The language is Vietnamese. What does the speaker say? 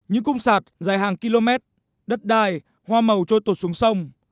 những cung sạt dài hàng km đất đài hoa màu trôi tột xuống sông